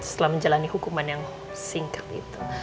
setelah menjalani hukuman yang singkat itu